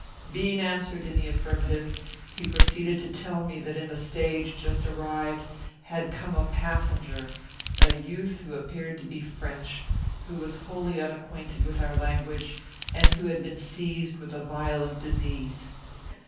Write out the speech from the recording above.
"Being answered in the affirmative, he proceeded to tell me that in the stage, just arrived, had come a passenger, a youth who appeared to be French, who was wholly unacquainted with our language, and who had been seized with a violent disease.